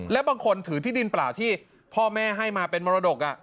แล้วบางคนถือที่ดินเปล่าที่พ่อแม่ให้มาเป็นมรดก